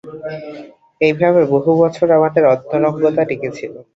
এইভাবে বহু বছর আমাদের অন্তরঙ্গতা টিকে ছিল।